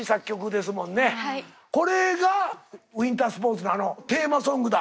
これがウィンタースポーツのあのテーマソングだ。